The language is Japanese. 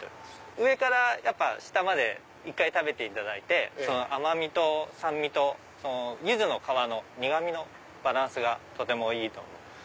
上からやっぱ下まで１回食べていただいて甘味と酸味とユズの皮の苦味のバランスがとてもいいと。